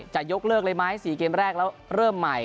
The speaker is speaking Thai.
จะยกเลิกเลยไหม๔เกมแรกแล้วเริ่มใหม่